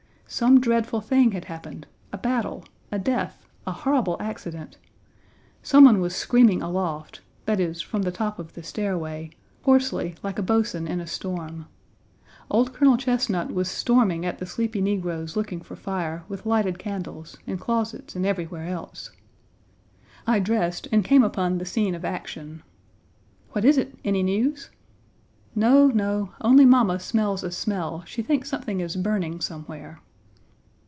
Some dreadful thing had happened, a battle, a death, a horrible accident. Some one was screaming aloft that is, from the top of the stairway, hoarsely like a boatswain in a storm. Old Colonel Chesnut was storming at the sleepy negroes looking for fire, with lighted candles, in closets and everywhere else. I dressed and came upon the scene of action. "What is it? Any news?" "No, no, only mamma smells a smell; she thinks something is burning somewhere."